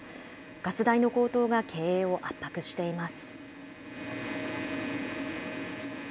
ガス代の高騰が経営を圧迫しています。